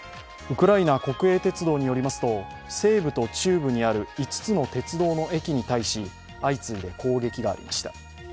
ウクライナ国営鉄道によりますと西部と中部にある５つの鉄道の駅に対し、相次いで攻撃がありました。